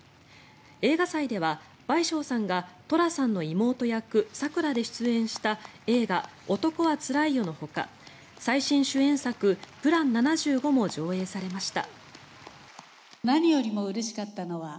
映画祭では倍賞さんが寅さんの妹役、さくらで出演した映画「男はつらいよ」のほか最新主演作「ＰＬＡＮ７５」も上映されました。